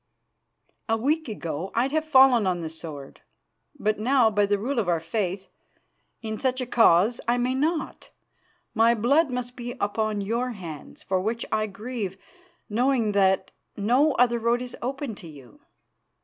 "A week ago I'd have fallen on the sword; but now, by the rule of our faith, in such a cause I may not. My blood must be upon your hands, for which I grieve, knowing that no other road is open to you.